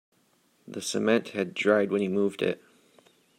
The cement had dried when he moved it.